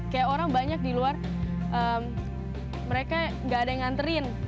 kayak orang banyak di luar mereka gak ada yang nganterin